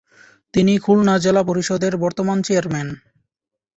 তিনি খুলনা জেলা পরিষদের বর্তমান চেয়ারম্যান।